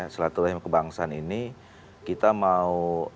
silaturahim kebangsaan ini kita mau